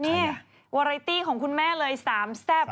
นี่วาไรตี้ของคุณแม่เลยสามแซ่บ